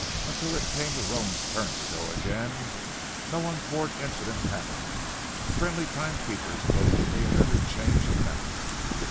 Until it came the roan's turn to go again, no untoward incident happened, friendly timekeepers posting me at every change of mounts.